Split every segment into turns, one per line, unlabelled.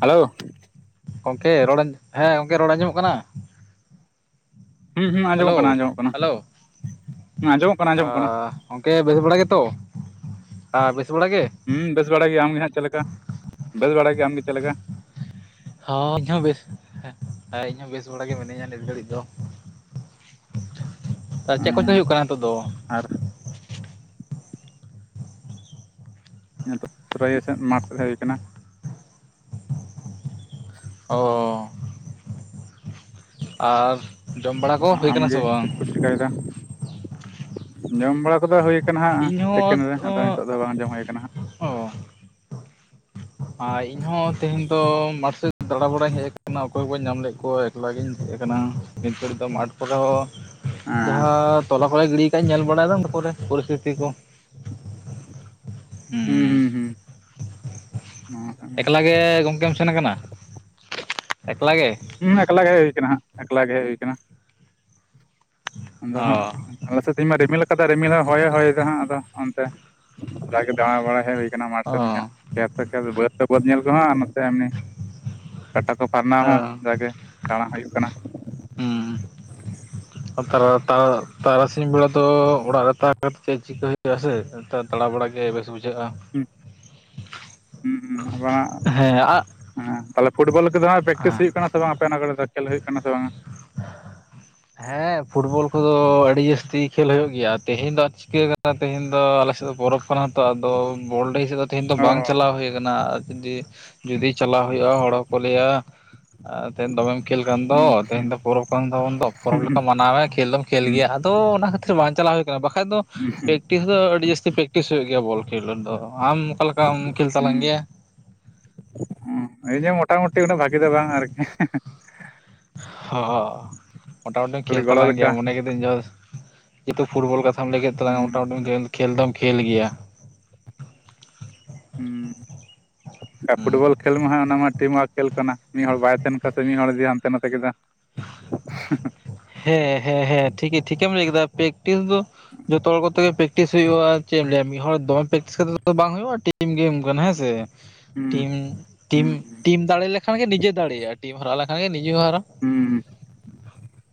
Hello,
ᱜᱚᱢᱠᱮ ᱨᱚᱲ, ᱦᱮᱸ ᱜᱚᱢᱠᱮ ᱨᱚᱲ ᱟᱸᱡᱚᱢᱚᱜ ᱠᱟᱱᱟ?
ᱦᱩᱸ ᱦᱩᱸ ᱟᱸᱡᱚᱢᱚᱜ ᱠᱟᱱᱟ
ᱦᱮᱞᱳ
ᱟᱸᱡᱚᱢᱚᱜ ᱠᱟᱱᱟ
ᱦᱮᱞᱳ,
ᱦᱩᱸ ᱟᱸᱡᱚᱢᱚᱜ ᱠᱟᱱᱟ ᱟᱸᱡᱚᱢᱚᱜ ᱠᱟᱱᱟ
ᱦᱟᱸ, ᱜᱚᱢᱠᱮ ᱵᱮᱥ ᱵᱟᱲᱟ ᱜᱮᱛᱚ, ᱟ ᱵᱮᱥ ᱵᱟᱲᱟ ᱜᱮ?
ᱦᱩᱸ ᱵᱮᱥ ᱵᱟᱲᱟ ᱜᱮ ᱟᱢ ᱜᱮ ᱦᱟᱸᱜ ᱪᱮᱫ ᱞᱮᱠᱟ ᱵᱮᱥ ᱵᱟᱲᱟ ᱜᱮ ᱟᱢ ᱜᱮ ᱪᱮᱫ ᱞᱮᱠᱟ?
ᱦᱚᱸ ᱤᱧ ᱦᱚᱸ ᱵᱮᱥ ᱤᱧ ᱦᱚᱸ ᱵᱮᱥ ᱵᱟᱲᱟ ᱜᱮ ᱢᱤᱱᱟᱹᱧᱟ ᱱᱤᱛ ᱜᱷᱟᱹᱲᱤᱡ ᱫᱚ ᱾ ᱪᱮᱫ ᱠᱚᱪᱚ
ᱩᱸ
ᱦᱳᱭᱳᱜ ᱠᱟᱱᱟ ᱱᱤᱛᱳᱜ ᱫᱚ?
ᱟᱨ ᱹᱹᱹᱹ ᱾ ᱱᱤᱛᱚᱜ ᱨᱚᱭᱮ ᱥᱮᱫ ᱢᱟᱴᱥᱮᱫ ᱦᱮᱡ ᱦᱳᱭ ᱟᱠᱟᱱᱟ ᱾ [unintelligible]
ᱚ ᱹᱹᱹᱹᱹ ᱾ ᱟᱹᱹᱹᱨᱹᱹᱹ
ᱟᱸ -ᱟᱸ-ᱟᱢᱜᱮ ᱪᱮᱫ ᱠᱚ ᱪᱤᱠᱟᱹᱭᱮᱫᱟ? ᱡᱚᱢ ᱵᱟᱲᱟ ᱠᱚᱫᱚ ᱦᱳᱭ ᱠᱟᱱᱟ ᱦᱟᱸᱜ
ᱤᱧᱦᱚᱸ
ᱛᱤᱠᱤᱱ ᱨᱮ,
ᱚ
ᱟᱫᱚ ᱱᱤᱛᱳᱜ ᱫᱚ ᱵᱟᱝ ᱡᱚᱢ ᱦᱳᱭ ᱠᱟᱱᱟ ᱦᱟᱸᱜ ᱾
ᱟᱭ ᱤᱧᱦᱚᱸᱛ ᱛᱮᱦᱮᱸᱧ ᱫᱚ ᱢᱟᱴ ᱥᱮᱫ ᱫ ᱛᱮᱹᱦᱮᱹᱧ ᱫᱚ ᱢᱟᱴ ᱥᱮᱡ ᱫᱟᱬᱟ-ᱵᱟᱲᱟᱧ ᱦᱮᱡ ᱟᱠᱟᱱᱟ ᱚᱠᱚᱭ ᱵᱟᱹᱧ ᱧᱟᱢ ᱞᱮᱫ ᱠᱚᱣᱟ ᱮᱠᱞᱟ ᱜᱮᱧ ᱦᱮᱡ ᱟᱠᱟᱱᱟ, ᱱᱤᱛ ᱫᱷᱟᱹᱵᱤᱡ ᱫᱚ ᱢᱟᱴᱹᱹᱹ ᱾ ᱛᱟᱯᱚᱨᱮ [unintelligible] ᱦᱚᱸ ᱦ ᱦᱮᱞᱳ
ᱦᱮᱸ
ᱡᱟᱦᱟᱸ ᱛᱚᱞᱟ ᱠᱚᱞᱮ ᱜᱤᱲᱤ ᱟᱠᱟᱡ-ᱟ ᱧᱮᱞ ᱵᱟᱲᱟᱭᱮᱫᱟ ᱯᱚᱨᱮ ᱯᱚᱨᱤᱥᱛᱷᱤᱛᱤ ᱠᱚ,
ᱦᱩᱸ- ᱦᱩᱸ- ᱦᱩᱸ ᱱᱚᱣᱟ ᱠᱟᱱ ᱜᱮᱭᱟ᱾
ᱮᱠᱞᱟ ᱜᱮ ᱜᱚᱝᱠᱮᱢ ᱥᱮᱱ ᱟᱠᱟᱱᱟ, ᱮᱠᱞᱟ ᱜᱮ?
ᱦᱩᱸ ᱮᱠᱞᱟᱜᱮ ᱦᱮᱡ ᱦᱳᱭ ᱟᱠᱟᱱᱟ, ᱮᱠᱞᱟ ᱜᱮ ᱦᱮᱡ ᱦᱳᱭ ᱟᱠᱟᱱᱟ ᱾ ᱟᱫᱚ ᱦᱟᱸᱜ
ᱚ
ᱟᱞᱮ ᱥᱮᱫ ᱛᱮᱦᱮᱸᱧ ᱢᱟ ᱨᱤᱢᱤᱞ ᱠᱟᱫᱟ ᱨᱤᱢᱤᱞ ᱦᱚᱸ ᱦᱚᱭ ᱦᱚᱭ ᱫᱟ, ᱟᱫᱚ ᱚᱱᱛᱮ? ᱡᱟᱜᱮ ᱫᱟᱬᱟ ᱵᱟᱲᱟ ᱦᱮᱡ ᱩᱳᱭ ᱟᱠᱟᱱᱟ ᱢᱟᱴ
ᱚ
ᱥᱮᱫ ᱜᱮᱱᱟ ᱠᱷᱮᱛ ᱠᱷᱮᱛ ᱵᱟᱹᱫᱷ ᱨᱮ ᱵᱟᱹᱫᱷ ᱧᱮᱞ ᱠᱚᱦᱚᱸ ᱟᱨ ᱱᱚᱛᱮ ᱮᱢᱱᱤ ᱠᱟᱴᱟ ᱠᱚ ᱯᱷᱟᱨᱱᱟᱣ ᱦᱚᱸ ᱡᱟᱜᱮ ᱫᱟᱸᱬᱟ ᱦᱳᱭᱳᱜ ᱠᱟᱱᱟ᱾ ᱾
ᱟᱨ ᱛᱟᱨᱟ ᱛᱟ ᱛᱟᱨᱟᱥᱤᱧ ᱵᱮᱲᱟ ᱫᱚ ᱚᱲᱟᱜ ᱨᱮ ᱛᱟᱦᱮᱸ ᱠᱟᱛᱮᱫ ᱪᱮᱫ ᱪᱤᱠᱟᱹᱭ ᱦᱳᱭᱳᱜ ᱛᱟᱭᱟ ᱥᱮ? ! ᱱᱮᱛᱟᱨ ᱫᱟᱬᱟ ᱵᱟᱲᱟ ᱜᱮ ᱵᱮᱥ ᱵᱩᱡᱷᱟᱹᱜᱼᱟ ᱾
ᱩᱸ! ᱦᱩᱸ-ᱦᱩᱸ ᱟᱵᱱᱟᱜ,
ᱦᱮᱸ ᱟᱜ
ᱦᱮᱸ ᱛᱟᱦᱚᱞᱮ ᱯᱷᱩᱴᱵᱚᱞ ᱠᱚᱫᱚ ᱦᱟᱸᱜ ᱯᱮᱠᱴᱤᱥ
ᱦᱮᱸ
ᱦᱳᱭᱳᱜ ᱠᱟᱱᱟ? ᱥᱮ ᱵᱟᱝ, ᱟᱯᱮ ᱚᱱᱟ ᱠᱚᱨᱮᱫᱚ ᱠᱷᱮᱞ ᱦᱳᱭᱳᱜ ᱠᱟᱱᱟ ᱥᱮ ᱵᱟᱝ?
ᱦᱮᱸ ᱯᱷᱩᱴᱵᱚᱞ ᱠᱚᱫᱚ ᱟᱹᱰᱤ ᱡᱟᱹᱥᱛᱤ ᱦᱮᱸᱯᱷᱩᱵᱚᱞ ᱠᱚᱫᱚ ᱟᱹᱰᱤ ᱡᱟᱹᱥᱛᱤᱢ ᱠᱷᱮᱞ ᱦᱳᱭᱳᱜ ᱜᱮᱭᱟ ᱛᱮᱦᱮᱸᱧ ᱫᱚ ᱪᱤᱠᱟᱹ ᱟᱠᱟᱱᱟ ᱛᱮᱦᱮᱸᱧ ᱫᱚ ᱟᱞᱮᱥᱮᱫ ᱫᱚ ᱯᱚᱨᱚᱵᱷ ᱾ ᱠᱟᱱᱟᱛᱚ ᱟᱫᱚ ᱵᱚᱞᱰᱟᱹᱦᱤ ᱥᱮᱫ ᱫᱚ ᱛᱮᱦᱮᱸᱧ ᱫᱚ
ᱚ
ᱵᱟᱝ ᱪᱟᱞᱟᱣ ᱦᱳᱭ ᱟᱠᱟᱱᱟ ᱟᱨ ᱡᱩᱫᱤ ᱡᱩᱫᱤ ᱪᱟᱞᱟᱣ ᱦᱳᱭᱳᱜᱼᱟ ᱦᱚᱲ ᱦᱚᱸᱠᱚ ᱞᱟᱹᱭᱟ ᱟᱨ ᱛᱮᱦᱮᱸᱧ ᱫᱚᱢᱮᱢ ᱠᱷᱮᱞ ᱠᱟᱱ ᱫᱚ
ᱦᱩᱸ
ᱛᱮᱦᱮᱸᱧ ᱫᱚ ᱯᱚᱨᱚᱵᱽ ᱠᱟᱱ ᱛᱟᱵᱚᱱ ᱾ ᱯᱚᱨᱚᱵᱽ
ᱦᱩᱸ
ᱞᱮᱠᱟᱢ ᱢᱟᱱᱟᱣᱭᱟ ᱠᱷᱮᱞ ᱯᱚᱨᱚᱵᱽ ᱠᱚ ᱢᱟᱱᱟᱣ ᱫᱚᱢ ᱠᱷᱹᱞ
ᱦᱩᱸ
ᱜᱮᱭᱟ ᱟᱫᱚ ᱚᱱᱟ ᱠᱷᱟᱹᱛᱤᱨ ᱟᱵᱟᱝ ᱪᱟᱞᱟᱣ ᱦᱩᱭ ᱠᱟᱱᱟ ᱵᱟᱠᱷᱟᱡ ᱫᱚ ᱯᱮᱠᱴᱤᱥ ᱫᱚ ᱟᱹᱰᱤ ᱡᱟᱹᱥᱛᱤ ᱯᱮᱠᱴᱤᱥ ᱦᱩᱭᱩᱜ ᱜᱮᱭᱟ ᱵᱚᱞ ᱠᱷᱮᱞ ᱫᱚ, ᱟᱢ ᱚᱠᱟ ᱞᱮᱠᱟᱢ ᱠᱷᱮᱞ
ᱦᱩᱸ
ᱛᱟᱞᱟᱝ ᱜᱮᱭᱟ?
ᱦᱩᱸ ᱤᱧ ᱦᱚᱸ ᱢᱚᱴᱟᱢᱩᱴᱤ ᱩᱱᱟᱹᱜ ᱵᱷᱟᱜᱮᱫᱚ ᱵᱟᱝ ᱟᱨᱠᱤ ᱦᱮᱸ-ᱦᱮᱸ ᱾
ᱦᱟᱻᱦᱟᱸ! ᱢᱚᱴᱟᱢᱩᱴᱤᱢ
ᱠᱷᱟᱹᱞᱤ
ᱠᱷᱮᱞ
ᱜᱚᱲᱚ
ᱛᱟᱞᱟᱝ
ᱞᱮᱠᱟ
ᱜᱮᱭᱟᱢ ᱢᱚᱱᱮ ᱠᱤᱫᱟᱹᱧ ᱡᱚᱥ ᱾ ᱡᱮᱦᱮᱛᱩ, ᱯᱷᱩᱴᱵᱚᱞ ᱠᱟᱛᱷᱟᱢ ᱞᱟᱹᱭ ᱠᱮᱫ ᱛᱟᱞᱟᱝᱟ
ᱦᱩᱸ
ᱢᱚᱴᱟᱢᱩᱴᱤᱢ ᱠᱷᱮᱞ ᱫᱚᱢ ᱠᱷᱮᱞ ᱜᱮᱭᱟ ᱾
ᱩᱸ ᱟᱨ
ᱦᱩᱸ
ᱯᱷᱩᱴᱵᱚᱞ ᱠᱷᱮᱞ ᱢᱟ ᱦᱟᱸᱜ ᱚᱱᱟ ᱢᱟ ᱴᱤᱢ ᱚᱣᱟᱨᱠ. ᱾ ᱠᱷᱮᱞ ᱠᱟᱱᱟ ᱢᱤᱫ ᱦᱚᱲ ᱵᱟᱭ ᱛᱟᱦᱮᱱ ᱠᱟᱱᱛᱮ ᱢᱤᱫ ᱦᱚᱲ ᱜᱮ ᱦᱟᱱᱛᱮ ᱱᱟᱛᱮ ᱠᱮᱫᱟ ᱩᱸᱼᱥ ᱾
ᱦᱮ- ᱦᱮ- ᱦᱮ ᱴᱷᱤᱠ- ᱴᱷᱤᱠ ᱴᱷᱤᱠᱮᱢ ᱞᱟᱹᱭ ᱠᱮᱫᱟ ᱯᱮᱠᱴᱤᱥ ᱫᱚ, ᱹᱹᱹᱹ ᱡᱚᱛᱚ ᱦᱚᱲ ᱠᱚᱛᱮ ᱜᱮ ᱯᱮᱠᱴᱤᱥ ᱠᱚ ᱠᱚ ᱠᱚ ᱦᱚᱲ ᱠᱚᱛᱮ ᱜᱮ ᱯᱮᱠᱴᱤᱥ ᱦᱩᱭᱩᱜᱼᱟ ᱪᱮᱫ ᱮᱢ ᱞᱟᱹᱭᱟ, ᱢᱤᱫ ᱦᱚᱲ ᱫᱚᱢᱮ ᱯᱮᱠᱴᱤᱥ ᱠᱟᱛᱮ ᱫᱚ ᱵᱟᱝ ᱦᱩᱭᱩᱜᱼᱟ ᱴᱤᱪᱤᱝ ᱜᱮ ᱮᱢ ᱜᱟᱱᱚᱜ-ᱟ ᱦᱮᱸ ᱥᱮ ᱾
ᱦᱩᱸ
ᱴᱤᱢ ᱴᱤᱢ
ᱦᱩᱸ
ᱴᱤᱢ ᱫᱟᱲᱮ ᱞᱮᱠᱷᱟᱱ ᱜᱮ ᱱᱤᱡᱮ ᱫᱟᱲᱮ ᱟᱨ ᱴᱤᱢ ᱦᱚᱨᱟᱣ ᱞᱮᱠᱷᱟᱱ ᱜᱮ ᱱᱤᱡᱮ ᱦᱚᱸ ᱦᱟᱨᱟᱣ ᱾ [inaudible]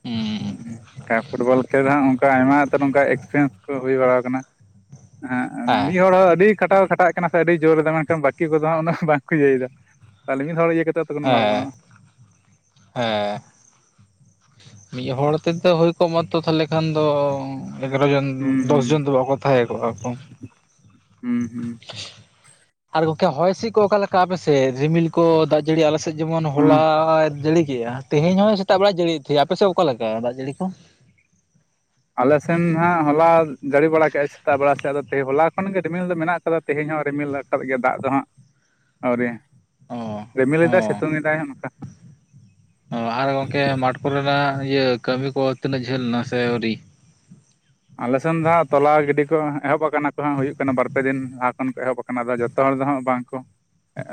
ᱦᱮᱸ ᱯᱷᱩᱴᱵᱚᱞ ᱠᱷᱮᱞ ᱨᱮ ᱦᱚᱸ ᱚᱱᱠᱟ ᱟᱭᱢᱟ ᱟᱛᱳᱨᱮ ᱚᱱᱠᱟ ᱮᱠᱥᱯᱮᱨᱤᱭᱮᱱᱥ ᱠᱚ ᱦᱩᱭ ᱵᱟᱲᱟ ᱠᱟᱱᱟ ᱮᱸᱜ
ᱦᱮᱸ
ᱢᱤᱫ ᱦᱚᱲ ᱦᱚᱸ ᱟᱹᱰᱤ ᱠᱷᱴᱟᱣ ᱠᱷᱟᱴᱟᱜ ᱠᱟᱱᱟ ᱥᱮ ᱟᱹᱰᱤ ᱠᱷᱟᱴᱟᱣ ᱮ ᱠᱷᱟᱴᱟᱣ ᱦᱟᱯᱮ ᱟᱹᱰᱤ ᱡᱳᱨᱮᱫᱟ ᱢᱮᱱᱠᱷᱟᱱ ᱵᱟᱹᱠᱤ ᱠᱚᱫᱚ ᱦᱟᱸᱜ ᱩᱱᱟᱹᱜ ᱵᱟᱝᱠᱚ ᱤᱭᱟᱹᱭ ᱫᱟ ᱛᱟᱦᱚᱞᱮ ᱢᱤᱫ ᱦᱚᱲ ᱤᱭᱟᱹ ᱠᱟᱛᱮ ᱹᱹᱹ
ᱦᱮᱸ, ᱦᱮᱸ ᱹᱹᱹ ᱢᱤᱫ ᱦᱚᱲ ᱛᱮᱛᱚ ᱦᱚᱭᱛ ᱠᱚᱜ ᱢᱟ ᱛᱚ ᱛᱟᱦᱚᱞᱮ ᱠᱷᱟᱱ ᱫᱚ ᱮᱜᱟᱨᱚ ᱡᱚᱱ ᱫᱚᱥ ᱡᱚᱱ ᱫᱚ ᱵᱟᱠᱚ ᱛᱷᱟᱣᱮᱫᱚ ᱟᱠᱚ ᱾
ᱩᱸᱜᱽ ᱦᱩᱸ ᱦᱩᱸ ᱾
ᱟᱫᱚ ᱜᱚᱝᱠᱮ ᱦᱚᱭ ᱦᱤᱥᱤᱫ ᱠᱚ ᱚᱠᱟᱞᱮᱠᱟ ᱟᱯᱮᱥᱮᱫ ᱨᱤᱢᱤᱞ ᱠᱚ ᱫᱟᱜ ᱡᱟᱹᱲᱤ ᱟᱞᱮᱥᱮᱫ ᱡᱮᱢᱚᱱ
ᱦᱮᱸ
ᱦᱚᱞᱟᱭ ᱡᱟᱲᱤ ᱠᱮᱜᱼᱟ ᱛᱮᱦᱮᱧ ᱦᱚᱸᱭᱹᱹᱹ ᱛᱟᱜ ᱵᱮᱲᱟᱭ ᱡᱟᱹᱲᱤᱮᱫ ᱛᱟᱦᱮᱸ ᱟᱯᱮ ᱥᱮᱫ ᱚᱠᱟ ᱞᱮᱠᱟ ᱫᱟᱜ ᱡᱟᱹᱲᱤ ᱠᱚ?
ᱟᱞᱮ ᱥᱮᱱ ᱦᱟᱸᱜ ᱦᱚᱞᱟ ᱡᱟᱹᱲᱤ ᱵᱟᱲᱟ ᱠᱮᱜ-ᱟᱭ ᱥᱮᱛᱟᱜ ᱵᱮᱲᱟ ᱥᱮᱫ ᱟᱫᱚ ᱛᱮᱦᱮ ᱦᱚᱞᱟ ᱠᱷᱚᱱ ᱜᱮ ᱨᱤᱢᱤᱞ ᱫᱚ ᱢᱮᱱᱟᱜ ᱠᱟᱫᱟ ᱛᱮᱦᱮᱧ ᱦᱚᱸ ᱨᱤᱢᱤᱞ ᱟᱠᱟᱫ ᱜᱮᱭᱟ ᱫᱟᱜ ᱫᱚ ᱦᱟᱸᱜ ᱟᱹᱣᱨᱤ
ᱚ ᱚ
ᱨᱤᱢᱤᱞᱮᱫᱟᱭ ᱥᱤᱛᱩᱝ ᱮᱫᱟᱭ ᱚᱱᱠᱟ᱾
ᱟᱨ ᱜᱚᱝᱠᱮ ᱢᱟᱴᱷ ᱠᱚᱨᱮᱱᱟᱜ ᱤᱭᱟᱹ ᱠᱟᱹᱢᱤ ᱠᱚ ᱛᱤᱱᱟᱹᱜ ᱡᱷᱟᱹᱞ ᱱᱟ ᱥᱮ ᱟᱹᱣᱨᱤ?
ᱟᱞᱮᱥᱱ ᱫᱚ ᱦᱟᱸᱜ ᱛᱚᱞᱟ ᱜᱤᱰᱤ ᱠᱚ ᱮᱦᱚᱵ ᱠᱟᱱᱟ ᱠᱚ ᱦᱟᱸᱜ ᱦᱩᱭᱩᱜ ᱠᱟᱱᱟ ᱵᱟᱨ ᱯᱮ ᱫᱤᱱ ᱞᱟᱦᱟ ᱠᱷᱚᱱ ᱠᱚ ᱮᱦᱚᱵ ᱠᱟᱱᱟ, ᱟᱫᱚ ᱡᱚᱛᱚ ᱦᱚᱲ ᱫᱚ ᱦᱟᱸᱜ ᱵᱟᱝ ᱠᱚ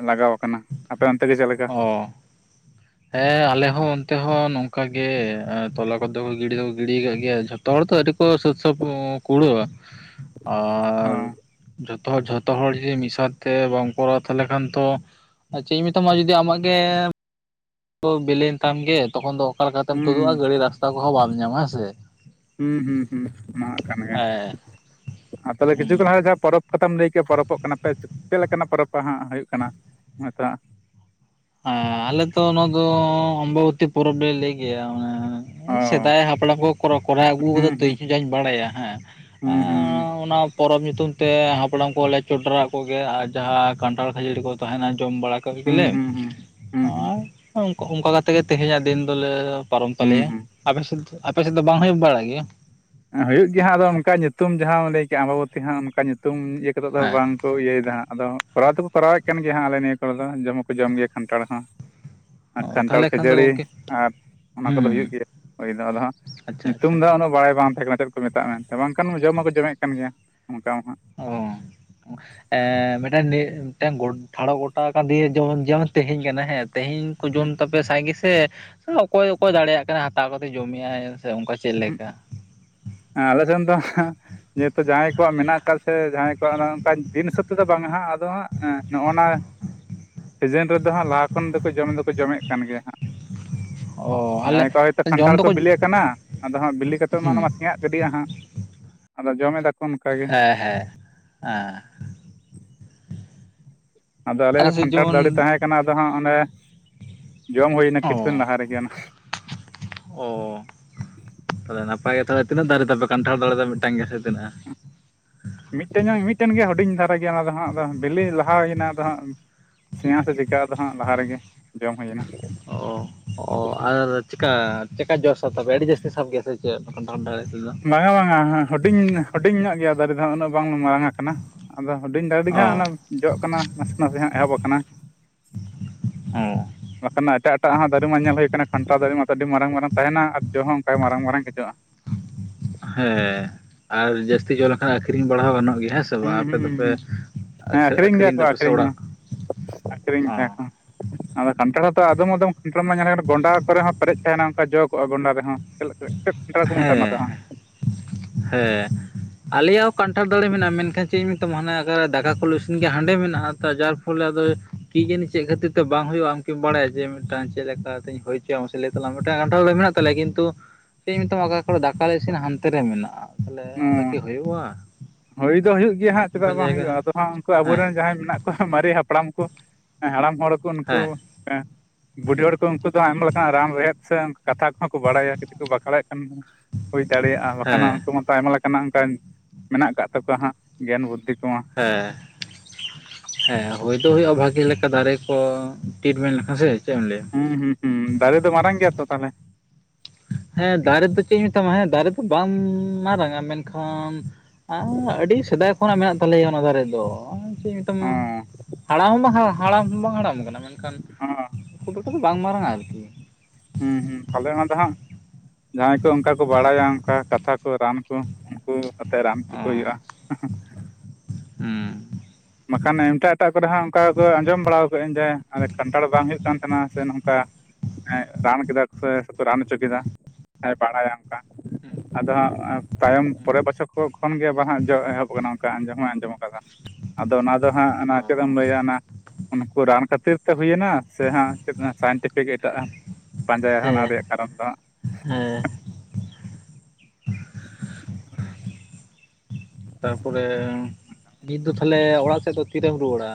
ᱞᱟᱜᱟᱣ ᱠᱟᱱᱟ ᱟᱯᱮ ᱚᱱᱛᱮ ᱜᱮ ᱪᱮᱫ ᱞᱮᱠᱟ?
ᱚ ᱦᱮᱸ ᱟᱞᱮ ᱦᱚᱸ ᱚᱱᱛᱮ ᱦᱚᱸ ᱱᱚᱝᱠᱟ ᱜᱮ ᱛᱚᱞᱟ ᱠᱚᱫᱚ ᱜᱤᱲᱤ ᱫᱚᱠᱚ ᱜᱤᱲᱤᱭ ᱠᱟᱜ ᱜᱮᱭᱟ ᱡᱷᱚ ᱛᱚ ᱦᱚᱲ ᱫᱚ ᱟᱹᱣᱨᱤ ᱠᱚ ᱥᱟᱹᱛ ᱥᱟᱯ ᱠᱩᱲᱟᱹᱣᱟ
ᱚ
ᱟᱨ ᱡᱚᱛᱚ ᱦᱚᱲ ᱡᱷᱚᱛᱚ ᱦᱚᱲ ᱡᱩᱫᱤ ᱢᱤᱫ ᱥᱟᱸᱣᱛᱮ ᱵᱟᱢ ᱠᱚᱨᱟᱣᱟ ᱛᱟᱦᱚᱞᱮ ᱠᱷᱟᱱ ᱛᱚ ᱟᱨ ᱪᱮᱫ ᱤᱧ ᱢᱮᱛᱟᱢᱟ ᱡᱩᱫᱤ ᱟᱢᱟᱜ ᱜᱮ ᱦᱩᱲᱩ ᱵᱤᱞᱤᱭᱮᱱ ᱛᱟᱢ ᱜᱮ, ᱛᱚᱠᱷᱚᱱ ᱫᱚ ᱚᱠᱟ ᱞᱮᱠᱟᱛᱮᱢ
ᱦᱩᱸ
ᱛᱩᱫᱩᱜ-ᱟ ᱜᱟᱹᱲᱤ ᱨᱟᱥᱛᱟ ᱠᱚᱦᱚᱸ ᱵᱟᱢ ᱧᱟᱢᱟ ᱦᱮᱸᱥᱮ᱾
ᱦᱩᱸ ᱦᱩᱸ ᱦᱩᱸ ᱚᱱᱟ ᱦᱚᱸ ᱠᱟᱱ ᱜᱮᱭᱟ
ᱦᱮᱸ
ᱟᱨ ᱛᱟᱦᱞᱮ ᱠᱤᱪᱷᱩ
ᱦᱩᱸ
ᱠᱷᱚᱱ ᱞᱟᱦᱟ ᱡᱟᱦᱟᱸ ᱯᱚᱨᱚᱵᱽ ᱯᱟᱛᱟᱢ ᱞᱟᱹᱭ ᱠᱮᱜ-ᱟ ᱯᱚᱨᱚᱯᱚᱜ ᱠᱟᱱᱟ ᱯᱮ ᱪᱮᱫ ᱞᱮᱠᱟᱱᱟᱜ ᱯᱚᱨᱚᱵᱯᱟ ᱦᱟᱸᱜ ᱦᱳᱭᱳᱜ ᱠᱟᱱᱟ? ᱱᱚᱝᱠᱟ
ᱦᱮᱸ ᱟᱞᱮᱛᱚ ᱱᱚᱣᱟ ᱫᱚ ᱚᱢᱵᱟᱵᱚᱛᱤ ᱯᱚᱨᱚᱵᱽ ᱞᱮ ᱞᱟᱹᱭ ᱜᱮᱭᱟ ᱢᱟᱱᱮ᱾
ᱚ
ᱥᱮᱫᱟᱭ ᱦᱟᱯᱲᱟᱢ ᱠᱚ ᱠᱚᱨ ᱠᱚᱨᱟᱣ ᱟᱹᱜᱩ ᱠᱟᱫᱟ ᱛᱚ, ᱤᱧ ᱦᱚᱸ ᱡᱟᱧ ᱵᱟᱲᱟᱭᱟ ᱦᱮᱸ᱾
ᱦᱩᱸ ᱦᱩᱸ ᱦᱩᱸ᱾
ᱚᱱᱟ ᱯᱚᱨᱚᱵᱽ ᱧᱩᱛᱩᱢ ᱛᱮ ᱦᱟᱯᱲᱟᱢ ᱠᱚᱞᱮ ᱪᱚᱰᱚᱨᱟᱜ ᱠᱚᱜᱮ ᱟᱨ ᱡᱟᱦᱟᱸ ᱠᱟᱱᱴᱷᱟᱲ ᱠᱷᱟᱹᱡᱟᱹᱲᱤ ᱠᱚ ᱛᱟᱸᱦᱮᱱᱟ ᱡᱚᱢ ᱵᱟᱲᱟ [unintelligible]
ᱦᱩᱸ ᱦᱩᱸ
ᱜᱮᱞᱮ
ᱦᱩᱸ ᱦᱩᱸ ᱦᱩᱸ
ᱟᱨ ᱚᱝ ᱚᱝᱠᱟ ᱠᱟᱛᱮ ᱜᱮ ᱛᱮᱦᱮᱧᱟᱜ ᱫᱤᱱ ᱫᱚᱞᱮ ᱯᱟᱨᱚᱢ
ᱦᱩᱸ
ᱛᱟᱞᱮᱭᱟ
ᱦᱩᱸ
ᱟᱵᱮᱱ ᱥᱮᱫ, ᱟᱯᱮ ᱥᱮᱫ ᱫᱚ ᱵᱟᱝ ᱦᱳᱭᱳᱜ ᱵᱟᱲᱟᱜ ᱜᱮᱭᱟ?
ᱦᱩᱭᱩᱜ ᱜᱮᱭᱟ ᱦᱟᱸᱜ ᱟᱫᱚ ᱚᱱᱠᱟ ᱧᱩᱛᱩᱢ ᱡᱟᱦᱟᱸᱢ ᱞᱟᱹᱭ ᱠᱮᱜᱼᱟ ᱟᱢᱵᱟᱵᱚᱛᱤ ᱦᱟᱸᱜ ᱚᱱᱠᱟ ᱧᱩᱛᱩᱢ ᱤᱭᱟᱹ ᱠᱟᱛᱮᱫ ᱫᱚ ᱦᱟᱸᱜ
ᱦᱮᱸ
ᱵᱟᱝ᱾ ᱠᱚ ᱤᱭᱟᱹᱭ ᱫᱟ ᱦᱟᱸᱜ, ᱟᱫᱚ ᱠᱚᱨᱟᱣ ᱫᱚᱠᱚ ᱠᱚᱨᱟᱣᱮᱫ ᱠᱟᱱ ᱜᱮᱭᱟ ᱦᱟᱸᱜ ᱟᱞᱮ ᱱᱤᱭᱟᱹ ᱠᱚᱨᱮ ᱫᱚ ᱡᱚᱢ ᱦᱚᱸᱠᱚ ᱡᱚᱢ ᱜᱮᱭᱟ ᱠᱟᱱᱴᱷᱟᱲ ᱦᱚᱸ᱾ ᱠᱷᱟᱱᱴᱷᱟᱲ
ᱛᱟᱦᱚᱞᱮ ᱠᱷᱟᱱ ᱫᱚ
ᱠᱷᱟᱹᱡᱟᱹᱲᱤ
ᱜᱚᱝᱠᱮ
ᱟᱨ ᱚᱱᱟ
ᱦᱩᱸ
ᱠᱚᱫᱚ ᱦᱩᱭᱩᱜ ᱜᱮᱭᱟ ᱦᱳᱭ ᱫᱚ ᱟᱫᱚ
ᱟᱪᱪᱷᱟ
ᱧᱩᱛᱩᱢ
ᱟᱪᱪᱷᱟ
ᱫᱚ ᱟᱫᱚ ᱵᱟᱲᱟᱭ ᱵᱟᱝ ᱛᱟᱦᱮᱸ ᱠᱟᱱᱟ ᱪᱮᱫ ᱠᱚ ᱢᱮᱛᱟᱜ-ᱟ ᱢᱮᱱᱛᱮ, ᱵᱟᱝᱠᱷᱟᱱ ᱡᱚᱢ ᱢᱟᱠᱚ ᱡᱚᱢᱮᱫ ᱠᱟᱱ ᱜᱮᱭᱟ ᱚᱱᱠᱟ ᱢᱟ ᱦᱟᱸᱜ᱾
ᱚ ᱮᱸᱻ ᱢᱤᱫᱴᱟᱝ ᱢᱤᱫᱴᱮᱝ ᱴᱷᱟᱲᱚ ᱜᱚᱴᱟ ᱠᱟᱱ ᱫᱤᱭᱮ ᱡᱮᱢᱚᱱ ᱡᱮᱢᱚᱱ ᱛᱮᱦᱮᱧ ᱠᱟᱱᱟ ᱦᱮᱸ ᱛᱮᱦᱮᱧ ᱠᱚ ᱡᱚᱢ ᱛᱟᱯᱮᱭᱟ ᱥᱟᱸᱜᱮ ᱥᱮ ᱚᱠᱚᱭ ᱚᱠᱚᱭ ᱫᱟᱲᱮᱭᱟᱜ ᱠᱟᱱᱟᱭ ᱦᱟᱛᱟᱣ ᱠᱟᱛᱮ ᱡᱚᱢᱮᱫ-ᱟᱭ ᱥᱮ ᱚᱝᱠᱟ ᱪᱮᱫ ᱞᱮᱠᱟ?
ᱦᱮᱸ ᱟᱞᱮ ᱥᱮᱱ ᱫᱚ ᱡᱮᱦᱮᱛᱩ ᱡᱟᱦᱟᱸᱭ ᱠᱚᱣᱟᱜ ᱢᱮᱱᱟᱜ ᱟᱠᱟᱫ ᱥᱮ ᱡᱟᱦᱟᱸᱭ ᱠᱚᱣᱟᱜ ᱚᱱᱠᱟ ᱫᱤᱱ ᱦᱤᱥᱟᱹᱵ ᱛᱮᱫᱚ ᱵᱟᱝᱟ ᱦᱟᱸᱜ ᱟᱫᱚ ᱦᱟᱸᱜ ᱱᱚᱜ-ᱚ ᱱᱟ
[inaudible]
ᱥᱤᱡᱤᱱ ᱨᱮᱫᱚ ᱦᱟᱸᱜ ᱞᱟᱦᱟ ᱠᱷᱚᱱ ᱫᱚᱠᱚ ᱡᱚᱢ ᱫᱚᱠᱚ ᱡᱚᱢᱮᱫ ᱠᱟᱱ ᱜᱮᱭᱟ ᱦᱟᱸᱜ
ᱚ ᱟᱞᱮ
ᱡᱟᱦᱟᱸᱭ ᱠᱚᱣᱟᱜ ᱦᱳᱭᱛᱚ
ᱡᱚᱢ
ᱠᱟᱱᱴᱷᱟᱲ ᱠᱚ
ᱫᱚᱠᱚ ᱦᱩᱸ
ᱵᱤᱞᱤ ᱟᱠᱟᱱᱟ ᱟᱫᱚ ᱦᱟᱸᱜ ᱵᱤᱞᱤ ᱠᱟᱛᱮᱫ ᱢᱟ ᱚᱱᱟ ᱢᱟ
ᱦᱮᱸ
ᱥᱮᱭᱟᱜ ᱜᱤᱰᱤᱜᱼᱟ ᱦᱟᱸᱜ ᱟᱫᱚ ᱡᱚᱢ ᱮᱫᱟ ᱠᱚ
ᱦᱮᱸ ᱦᱮᱸ, ᱦᱮᱸ᱾
ᱟᱫᱚ
ᱟᱞᱮ
ᱟᱞᱮᱭᱟᱜ ᱦᱚᱸ
ᱥᱮᱫ
ᱠᱷᱟᱱᱴᱷᱟᱲ
ᱡᱮᱢᱚᱱ
ᱫᱟᱨᱮ ᱛᱟᱦᱮᱸ ᱠᱟᱱᱟ ᱟᱫᱚ ᱦᱟᱸᱜ ᱚᱸᱰᱮ ᱡᱚᱢ ᱦᱩᱭ ᱱᱟ ᱠᱤᱪᱷᱩ ᱫᱤᱱ ᱞᱟᱦᱟ ᱨᱮ ᱜᱮ ᱚᱱᱟ
ᱚᱻ ᱛᱚᱵᱮ ᱱᱟᱯᱟᱭ ᱜᱮ ᱛᱚᱵᱮ ᱛᱤᱱᱟᱹᱜ ᱫᱟᱨᱮ ᱛᱟ ᱯᱮ ᱠᱟᱱᱴᱷᱟᱲ ᱫᱟᱨᱮ ᱫᱚ ᱢᱤᱫᱴᱟᱹᱝ ᱜᱮᱭᱲ ᱥᱮ ᱛᱤᱱᱟᱹᱜ-ᱟ?
ᱢᱤᱫᱴᱮᱱ ᱧᱚᱜ ᱢᱤᱫᱴᱮᱱ ᱜᱮ ᱦᱩᱰᱤᱧ ᱫᱷᱟᱨᱟ ᱜᱮᱭᱟ ᱚᱱᱟ ᱫᱚ ᱦᱟᱸᱜ ᱵᱤᱞᱤ ᱞᱟᱦᱟ ᱮᱱᱟ ᱟᱫᱚ ᱦᱟᱸᱜ ᱥᱮᱭᱟ ᱥᱮ ᱪᱤᱠᱟ ᱦᱟᱸᱜ ᱜᱮ ᱫᱚ ᱦᱟᱸᱜ ᱞᱟᱦᱟ ᱨᱮ ᱜᱮ ᱡᱚᱢ ᱦᱩᱭ ᱮᱱᱟ᱾
ᱚ ᱚ, ᱟᱨ ᱪᱮᱠᱟ ᱪᱮᱠᱟ ᱡᱚᱥ ᱥᱟᱵ ᱛᱮ ᱟᱹᱰᱤ ᱡᱟᱹᱥᱛᱤ ᱥᱟᱵ ᱜᱮᱭᱟ ᱥᱮ ᱪᱮᱫ ᱠᱟᱱᱴᱷᱟᱲ ᱫᱟᱨᱮ ᱨᱮᱫᱚ?
ᱵᱟᱝᱟ ᱵᱟᱝᱟ ᱦᱩᱰᱤᱧ ᱦᱩᱰᱤᱧ ᱧᱚᱜ ᱜᱮᱭᱟ ᱫᱟᱨᱮ ᱫᱚ ᱦᱟᱸᱜ ᱩᱱᱟᱹᱜ ᱵᱟᱝ ᱢᱟᱨᱟᱝ ᱟᱠᱟᱱᱟ, ᱟᱫᱚ ᱦᱩᱰᱤᱧ ᱟᱫᱚ ᱟᱹᱰᱤ
ᱚ
ᱜᱟᱱ ᱚᱱᱟ ᱡᱚᱜ ᱠᱟᱱᱟ ᱱᱮᱥᱮᱱᱟᱜ ᱜᱮ ᱦᱟᱸᱜ ᱮᱦᱚᱵ ᱟᱠᱟᱱᱟ
ᱚ
ᱵᱟᱠᱷᱟᱱ ᱢᱟ ᱮᱴᱟᱜ ᱮᱴᱟᱜ ᱦᱚᱸ ᱫᱟᱨᱮ ᱢᱟ ᱧᱮᱞ ᱦᱩᱭ ᱟᱠᱟᱱᱟ, ᱮᱴᱟᱜ ᱮᱴᱟᱜ ᱫᱟᱨᱮ ᱢᱟ ᱧᱮᱞ ᱦᱩᱭ ᱟᱠᱟᱱᱟ ᱠᱷᱟᱱᱴᱟᱲ ᱫᱟᱨᱮ ᱢᱟ ᱮᱱᱛᱮ ᱟᱹᱰᱤ ᱢᱟᱨᱟᱝ ᱢᱟᱨᱟᱝ ᱛᱟᱦᱮᱱᱟ ᱟᱨ ᱡᱚ ᱦᱚᱸ ᱚᱝᱠᱟ ᱜᱮ ᱢᱟᱨᱟᱝ ᱢᱟᱨᱟᱝ ᱜᱮ ᱡᱚᱜᱼᱟ᱾
ᱦᱮᱸ ᱟᱨ ᱡᱟᱹᱥᱛᱤ ᱡᱚ ᱞᱮ ᱟᱹᱷᱨᱤᱧ ᱵᱟᱲᱟ ᱦᱚᱸ ᱜᱟᱱᱚᱜ ᱜᱮᱭᱟ ᱦᱮᱸ ᱥᱮ
ᱦᱩᱸ
ᱵᱟᱝ, ᱟᱯᱮ
ᱦᱩᱸ
ᱫᱚ ᱯᱮ
ᱦᱩᱸ
ᱟᱹᱷᱨᱤᱧ ᱫᱟᱯᱮ ᱥᱮ ᱚᱲᱟᱜ ᱚ
ᱟᱹᱠᱷᱨᱤᱧᱮᱜ-ᱟ ᱠᱚ ᱟᱫᱚ ᱠᱟᱱᱴᱷᱟᱲ ᱢᱟᱛᱚ ᱟᱫᱚᱢ ᱟᱫᱚᱢ ᱠᱟᱱᱴᱷᱟᱲ ᱢᱟ ᱧᱮᱞ ᱜᱚᱸᱰᱟ ᱠᱚᱨᱮ ᱦᱚᱸ ᱯᱮᱨᱮᱡ ᱛᱟᱦᱮᱱᱟ ᱚᱱᱠᱟ ᱡᱚ ᱠᱚᱜ-ᱟ ᱜᱚᱸᱰᱟ ᱨᱮ ᱦᱚᱸ᱾ ᱪᱮᱫ ᱪᱮᱫ ᱠᱟᱱᱴᱷᱟᱲ ᱠᱚ ᱢᱮᱛᱟᱜᱼᱟ
ᱦᱮᱸ
ᱚᱱᱟ ᱫᱚ ᱦᱟᱸᱜ?
ᱦᱮᱸ, ᱟᱞᱮᱭᱟᱜ ᱦᱚᱸ ᱠᱟᱱᱴᱷᱟᱲ ᱫᱟᱨᱮ ᱢᱮᱱᱟᱜᱼᱟ ᱢᱮᱱᱠᱷᱟᱱ ᱪᱮ ᱪᱮᱫ ᱤᱧ ᱢᱮᱛᱟᱢᱟ ᱦᱟᱱᱮ ᱚᱠᱟ ᱨᱮ ᱫᱟᱠᱟ ᱠᱚᱞᱮ ᱤᱥᱤᱱ ᱜᱮᱭᱟ ᱦᱟᱸᱰᱮ ᱢᱮᱱᱟᱜᱼᱟ ᱛᱚ ᱡᱟᱨ ᱦᱚᱞᱟ ᱟᱫᱚ ᱠᱤ ᱡᱟᱹᱱᱤ ᱪᱮᱫ ᱠᱷᱟᱹᱛᱤᱨ ᱛᱮ ᱵᱟᱝ ᱦᱩᱭᱩᱜᱼᱟ ᱟᱢᱠᱤᱢ ᱵᱟᱲᱟᱭᱟ ᱡᱮ ᱢᱤᱫᱴᱟᱝ ᱪᱮᱫ ᱞᱮᱠᱟ ᱛᱮ ᱦᱩᱭ ᱪᱮᱫ ᱢᱟᱥᱮ ᱞᱟᱹᱭ ᱛᱟᱞᱟᱝ ᱢᱮ ᱢᱤᱫᱴᱮᱱ ᱠᱟᱱᱴᱷᱟᱲ ᱫᱟᱨᱮ ᱢᱮᱱᱟᱜ ᱛᱟᱞᱮᱭᱟ ᱠᱤᱱᱛᱩ ᱪᱮᱫ ᱤᱧ ᱢᱮᱛᱟᱢᱟ ᱚᱠᱟ ᱠᱚᱨᱮ ᱫᱟᱠᱟ ᱞᱮ ᱤᱥᱤᱱᱟ ᱦᱟᱱᱛᱮ ᱨᱮ ᱢᱮᱱᱟᱜᱼᱟ ᱛᱟᱞᱦᱮ
ᱦᱩᱸ
ᱚᱸᱰᱮ ᱠᱤ ᱦᱩᱭᱩᱜᱼᱟ?
ᱦᱩᱭ ᱫᱚ ᱦᱩᱭᱩᱜ ᱜᱮᱭᱟ ᱦᱟᱸᱜ ᱪᱮᱫᱟᱜ
ᱚᱱᱠᱟᱱ
ᱵᱟᱝ
ᱡᱟᱭᱜᱟ
ᱦᱩᱭᱩᱜᱼᱟ ᱟᱫᱚ ᱦᱟᱸᱜ ᱩᱱᱠᱩ ᱟᱵᱚ
ᱦᱮᱸ
ᱨᱮᱱ ᱡᱟᱦᱟᱸᱭ ᱢᱮᱱᱟᱜ ᱠᱚᱣᱟ ᱢᱟᱨᱮ ᱦᱟᱯᱲᱟᱢ ᱠᱚ ᱦᱮᱸ ᱦᱟᱲᱟᱢ ᱦᱚᱲ ᱠᱚ ᱩᱱᱠᱩ
ᱦᱮᱸ
ᱦᱮᱸ ᱵᱩᱰᱷᱤ ᱦᱚᱲ ᱠᱚ ᱩᱱᱠᱩ ᱫᱚ ᱟᱭᱢᱟ ᱞᱮᱠᱟᱱᱟᱜ ᱨᱟᱱ ᱨᱮᱦᱮᱫ ᱥᱮ ᱠᱟᱛᱷᱟ ᱠᱚ ᱦᱚᱸ ᱠᱚ ᱵᱟᱲᱟᱭᱟ ᱠᱟᱹᱴᱤᱡ ᱠᱚ ᱵᱟᱠᱷᱮᱲᱮᱫ ᱠᱷᱟᱱ ᱦᱩᱭ ᱫᱟᱲᱮᱭᱟᱜᱼᱟ ᱵᱟᱠᱷᱟᱱ ᱱᱟᱦᱟᱜ
ᱦᱮᱸ
ᱩᱱᱠᱩ ᱦᱚᱸ ᱟᱭᱢᱟ ᱞᱮᱠᱟᱱᱟᱜ ᱚᱱᱠᱟᱱ ᱢᱮᱱᱟᱜ ᱟᱠᱟᱫ ᱛᱟᱠᱚᱣᱟ ᱦᱟᱸᱜ ᱜᱮᱭᱟᱱ ᱵᱩᱫᱽᱫᱷᱤ ᱠᱚ ᱢᱟ
ᱦᱮᱸ ᱦᱮᱸ ᱦᱳᱭ ᱫᱚ ᱦᱳᱭᱳᱜᱼᱟ ᱵᱷᱟᱜᱮ ᱞᱮᱠᱟ ᱫᱟᱨᱮ ᱠᱚ ᱴᱨᱤᱴᱢᱮᱱᱴ ᱞᱮᱠᱷᱟᱱ ᱥᱮ ᱪᱮᱫ ᱮᱢ ᱞᱟᱹᱭᱟ?
ᱦᱩᱸ ᱦᱩᱸ ᱦᱩᱸ ᱫᱟᱨᱮ ᱫᱚ ᱢᱟᱨᱟᱝ ᱜᱮᱭᱟ ᱛᱚ ᱛᱟᱞᱦᱮ
ᱦᱮᱸ ᱫᱟᱨᱮ ᱫᱚ ᱪᱮᱫ ᱤᱧ ᱢᱮᱛᱟᱢᱟ ᱦᱮᱸ ᱫᱟᱨᱮ ᱫᱚ ᱵᱟᱝ ᱢᱟᱨᱟᱝᱟ ᱢᱮᱱᱠᱷᱟᱱ ᱟᱻ ᱟᱹᱰᱤ ᱥᱮᱫᱟᱭ ᱠᱷᱚᱱᱟᱜ ᱢᱮᱱᱟᱜ ᱛᱟᱞᱮᱭᱟ ᱚᱱᱟ ᱫᱟᱨᱮ ᱫᱚ ᱪᱮᱫ ᱤᱧ ᱢᱮᱛᱟᱢᱟ
ᱚᱸ
ᱦᱟᱲᱟᱢ ᱦᱚᱸ ᱵᱟᱝ ᱦᱟᱲᱟᱢ ᱦᱚᱸ ᱵᱟᱝ ᱦᱟᱲᱟᱢ ᱟᱠᱟᱱᱟ ᱢᱮᱱ ᱠᱷᱟᱱ
ᱚ
ᱯᱷᱳᱴᱳ ᱠᱚ ᱫᱚ ᱵᱟᱝ ᱢᱟᱨᱟᱝᱼᱟ ᱟᱨᱠᱤ
ᱦᱩᱸ ᱦᱩᱸ ᱛᱟᱦᱚᱞᱮ ᱚᱱᱟ ᱫᱚ ᱦᱟᱸᱜ ᱡᱟᱦᱟᱸᱭ ᱠᱚ ᱚᱱᱠᱟ ᱠᱚ ᱵᱟᱲᱟᱭᱟ ᱚᱱᱠᱟ ᱠᱟᱛᱷᱟ ᱠᱚ ᱨᱟᱱ ᱠᱚ ᱩᱱᱠᱩ ᱟᱛᱮᱜ ᱨᱟᱱ ᱚᱪᱚ
ᱚ
ᱠᱚ ᱦᱩᱭᱩᱜᱼᱟ।
ᱦᱩᱸ
ᱵᱟᱠᱷᱟᱱ ᱮᱴᱟᱜ ᱮᱴᱟᱜ ᱠᱚ ᱨᱮ ᱦᱚᱸ ᱚᱱᱠᱟ ᱫᱚ ᱟᱸᱡᱚᱢ ᱵᱟᱲᱟ ᱟᱠᱟᱜ ᱟᱹᱧ ᱡᱮ ᱠᱟᱱᱴᱷᱟᱲ ᱵᱟᱝ ᱦᱩᱭᱩᱜ ᱦᱩᱭᱩᱜ ᱠᱟᱱ ᱛᱟᱦᱮᱱᱟ ᱥᱮ ᱱᱚᱝᱠᱟ ᱨᱟᱱ ᱮᱸᱜ ᱠᱮᱫᱟ ᱠᱚ ᱥᱮ, ᱥᱮ ᱠᱚ ᱨᱟᱱ ᱚᱪᱚ ᱠᱮᱫᱟ ᱡᱟᱦᱟᱸᱭ ᱵᱟᱲᱟᱭᱟ ᱚᱱᱠᱟ ᱟᱫᱚ ᱦᱟᱸᱜ ᱮᱸ ᱛᱟᱭᱚᱢ ᱯᱚᱨᱮ ᱵᱚᱪᱷᱚᱨ ᱠᱚ ᱠᱷᱚᱱ ᱜᱮ ᱵᱟᱦᱟ ᱡᱚ ᱮᱦᱚᱵ ᱟᱠᱟᱱᱟ ᱚᱱᱠᱟ ᱟᱸᱡᱚᱢ ᱦᱚᱸ ᱟᱸᱡᱚᱢ ᱟᱠᱟᱫᱟ ᱟᱫᱚ ᱚᱱᱟ ᱫᱚ ᱦᱟᱸᱜ ᱚᱱᱟ ᱪᱮᱫ ᱮᱢ
ᱚ
ᱞᱟᱹᱭᱟ ᱚᱱᱟ ᱩᱱᱠᱩ ᱨᱟᱱ ᱠᱷᱟᱹᱛᱤᱨ ᱛᱮ ᱦᱩᱭ ᱮᱱᱟ ᱥᱮ ᱦᱟᱸᱜ ᱪᱮᱫ ᱥᱟᱭᱮᱱᱴᱤᱯᱷᱤᱠ ᱮᱴᱟᱜ ᱯᱟᱸᱡᱟᱭᱟ ᱦᱚᱸ ᱚᱱᱟ
ᱦᱮᱸ
ᱨᱮᱭᱟᱜ ᱠᱟᱨᱚᱱ ᱫᱚ ᱦᱟᱸᱜ
ᱦᱮᱸ ᱛᱟᱨᱯᱚᱨᱮᱻ ᱱᱤᱛ ᱫᱚ ᱛᱟᱞᱦᱮ ᱚᱲᱟᱜ ᱥᱮᱫ ᱫᱚ ᱛᱤᱨᱮᱢ ᱨᱩᱣᱟᱹᱲᱟ?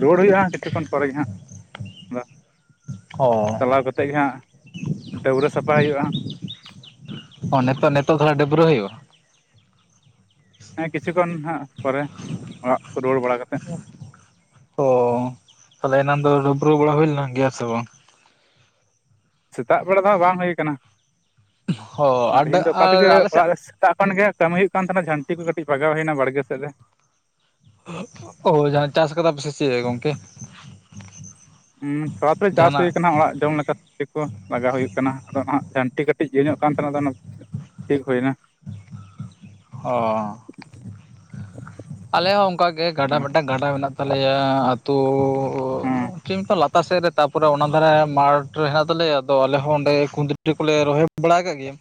ᱨᱩᱣᱟᱹᱲ ᱦᱩᱭᱩᱜᱼᱟ ᱦᱟᱸᱜ ᱠᱤᱪᱷᱩ ᱠᱷᱚᱱ ᱯᱚᱨᱮ ᱜᱮ ᱦᱟᱸᱜ ᱟᱫᱚ
ᱚ
ᱪᱟᱞᱟᱣ ᱠᱟᱛᱮᱜ ᱜᱮ ᱦᱟᱸᱜ ᱰᱟᱹᱵᱽᱨᱟᱹ ᱥᱟᱯᱟ ᱦᱩᱭᱩᱜᱼᱟ।
ᱚ ᱱᱤᱛᱚᱜ ᱱᱤᱛᱚᱜ ᱫᱚ ᱰᱟᱹᱵᱽᱨᱟᱹ ᱦᱩᱭᱩᱜᱼᱟ
ᱦᱮᱸ ᱠᱤᱪᱷᱩ ᱠᱷᱚᱱ ᱦᱟᱸᱜ ᱯᱚᱨᱮ ᱚᱲᱟᱜ ᱠᱚ ᱨᱩᱣᱟᱹᱲ ᱵᱟᱲᱟ ᱠᱟᱛᱮᱜ
ᱚ ᱛᱟᱞᱦᱮ ᱮᱱᱟᱝ ᱫᱚ ᱰᱟᱹᱵᱽᱨᱟᱹ ᱵᱟᱲᱟ ᱦᱩᱭ ᱞᱮᱱ ᱜᱮᱭᱟ ᱥᱮ ᱵᱟᱝ?
ᱥᱮᱛᱟᱜ ᱵᱮᱲᱟ ᱫᱚ ᱦᱟᱸᱜ ᱵᱟᱝ ᱦᱩᱭ ᱟᱠᱟᱱᱟ
ᱚ ᱟᱨ
ᱛᱮᱦᱤᱧ ᱫᱚ ᱚᱠᱟ ᱛᱮᱜᱮ
ᱟᱨ ᱟᱞᱮ ᱥᱮᱫ
ᱚᱲᱟᱜ ᱨᱮ ᱥᱮᱛᱟᱜ ᱠᱷᱚᱱ ᱜᱮ ᱠᱟᱹᱢᱤ ᱦᱩᱭᱩᱜ ᱠᱟᱱ ᱛᱟᱦᱮᱱᱟ ᱡᱷᱟᱹᱱᱴᱤ ᱠᱚ ᱠᱟᱹᱴᱤᱡ ᱵᱟᱜᱟᱣ ᱦᱩᱭ ᱮᱱᱟ ᱵᱟᱲᱜᱮ ᱥᱮᱫ ᱨᱮ।
ᱚ ᱡᱟᱦᱟᱸ ᱪᱟᱥ ᱟᱠᱟᱫᱟ ᱯᱮ ᱥᱮ ᱪᱮᱫ ᱜᱚᱢᱠᱮ?
ᱦᱩᱸ ᱛᱷᱚᱲᱟ ᱛᱷᱚᱲᱤ ᱪᱟᱥ ᱦᱩᱭ ᱟᱠᱟᱱᱟ ᱚᱲᱟᱜ ᱡᱚᱢ ᱞᱮᱠᱟ ᱠᱚ ᱞᱟᱜᱟᱣ ᱦᱩᱭᱩᱜ ᱠᱟᱱᱟ ᱟᱫᱚ ᱱᱟᱜ ᱡᱷᱟᱹᱱᱴᱤ ᱠᱟᱴᱤᱡ ᱤᱭᱟᱹ ᱧᱚᱜ ᱠᱟᱱ ᱛᱟᱦᱮᱱᱟ ᱚᱱᱟ ᱴᱷᱤᱠ ᱦᱩᱭᱮᱱᱟ।
ᱚᱻ ᱟᱞᱮ ᱦᱚᱸ ᱚᱱᱠᱟ ᱜᱮ ᱜᱟᱰᱟ ᱢᱤᱫᱴᱟᱝ ᱜᱟᱰᱟ ᱢᱮᱱᱟᱜ ᱛᱟᱞᱮᱭᱟ ᱟᱹᱛᱩᱻ
ᱦᱮᱸ
ᱠᱤᱢᱛᱚ ᱞᱟᱛᱟᱨ ᱥᱮᱫ ᱨᱮ ᱛᱟᱨᱯᱚᱨᱮ ᱚᱱᱟ ᱨᱮ ᱢᱟᱴᱷ ᱨᱮ ᱦᱮᱱᱟᱜ ᱛᱟᱞᱮᱭᱟ ᱟᱫᱚ ᱟᱞᱮ ᱦᱚᱸ ᱚᱸᱰᱮ ᱠᱩᱸᱫᱽᱨᱤ ᱠᱚᱞᱮ ᱨᱚᱦᱚᱭ ᱵᱟᱲᱟ ᱟᱠᱟᱜ ᱜᱮᱭᱟ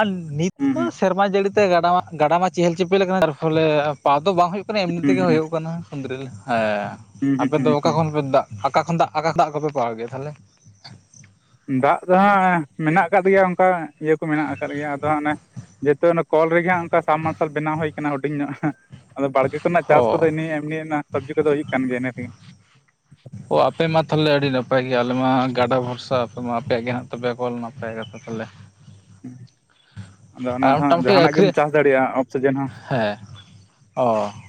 ᱟᱨ ᱱᱤᱛ
ᱦᱩᱸ
ᱫᱚ
ᱦᱩᱸ
ᱥᱮᱨᱢᱟ ᱡᱟᱹᱲᱤ ᱛᱮ ᱜᱟᱰᱟ ᱢᱟ ᱜᱟᱰᱟ ᱢᱟ ᱪᱮᱦᱮᱞ ᱪᱮᱯᱮᱞ ᱟᱠᱟᱱᱟ ᱛᱟᱨ ᱯᱷᱚᱞᱮ ᱯᱟᱣ ᱫᱚ ᱵᱟᱝ ᱦᱩᱭᱩᱜ ᱠᱟᱱᱟ ᱮᱢᱱᱤ
ᱦᱩᱸ
ᱛᱮᱜᱮ
ᱦᱩᱸ
ᱦᱩᱭᱩᱜ ᱠᱟᱱᱟ ᱠᱷᱩᱸᱫᱽᱨᱤ ᱞᱮ ᱦᱮᱸ
ᱦᱩᱸ ᱦᱩᱸ
ᱟᱯᱮ ᱫᱚ ᱚᱠᱟ
ᱦᱩᱸ
ᱠᱷᱚᱱ ᱯᱮ ᱫᱟᱜ ᱚᱠᱟ ᱠᱷᱚᱱ ᱫᱟᱜ ᱚᱠᱟ ᱠᱷᱚᱱᱟᱜ ᱠᱚᱯᱮ ᱯᱟᱣᱟᱣ ᱜᱮᱭᱟ ᱛᱟᱞᱦᱮ?
ᱫᱟᱜ ᱫᱚ ᱦᱟᱸᱜ ᱢᱮᱱᱟᱜ ᱟᱠᱟᱫ ᱜᱮᱭᱟ ᱚᱱᱠᱟ ᱤᱭᱟᱹ ᱠᱚ ᱢᱮᱱᱟᱜ ᱟᱠᱟᱫ ᱜᱮᱭᱟ ᱟᱫᱚ ᱦᱟᱱᱮ ᱡᱮᱛᱩ ᱚᱱᱮ ᱠᱚᱞ ᱨᱮᱜᱮ ᱦᱟᱸᱜ ᱚᱱᱠᱟ ᱥᱟᱢᱢᱟᱨᱥᱟᱞ ᱵᱮᱱᱟᱣ ᱦᱩᱭ ᱟᱠᱟᱱᱟ ᱦᱩᱰᱤᱧ ᱧᱚᱜ, ᱟᱫᱚ ᱵᱟᱲᱜᱮ ᱠᱚᱨᱮᱱᱟᱜ ᱪᱟᱥ ᱠᱚᱫᱚ
ᱦᱚ
ᱮᱢᱱᱤ ᱨᱮᱱᱟᱜ ᱥᱚᱵᱡᱤ ᱠᱚᱫᱚ ᱦᱩᱭᱩᱜ ᱠᱟᱱ ᱜᱮᱭᱟ ᱤᱱᱟᱹ ᱛᱮᱜᱮ।
ᱚ ᱟᱯᱮ ᱢᱟ ᱛᱟᱞᱦᱮ ᱟᱹᱰᱤ ᱱᱟᱯᱟᱭ ᱜᱮ ᱟᱞᱮ ᱢᱟ ᱜᱟᱰᱟ ᱵᱷᱚᱨᱥᱟ ᱟᱯᱮ ᱢᱟ ᱟᱯᱮᱭᱟᱜ ᱜᱮ ᱦᱮᱱᱟᱜ ᱛᱟᱯᱮᱭᱟ ᱠᱚᱞ ᱱᱟᱯᱟᱭ ᱜᱮᱯᱮ ᱟᱞᱮ
ᱟᱫᱚ ᱚᱱᱟ ᱫᱚ ᱦᱟᱜ,
ᱢᱚᱴᱟᱢᱩᱴᱤ
ᱡᱟᱦᱟᱱᱟᱜ ᱜᱮᱢ
ᱟᱹᱠᱷᱨᱤᱧ
ᱪᱟᱥ ᱫᱟᱲᱮᱭᱟᱜᱼᱟ, ᱚᱯᱥᱤᱡᱮᱱ ᱦᱚᱸ ᱾
ᱚᱻ ᱾